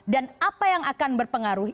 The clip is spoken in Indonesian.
dan apa yang akan berpengaruh